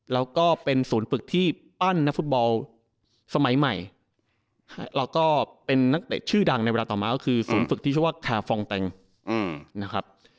แล้วก็เป็นศูนย์ฝึกที่ปั้นนักฟุตบอลสมัยใหม่แล้วก็เป็นนักเตะชื่อดังในเวลาต่อมาก็คือศูนย์ฝึกที่ชื่อว่าคาฟองแตงนะครับ